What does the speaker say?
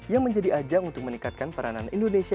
yang menjadi ajang untuk meningkatkan peranan indonesia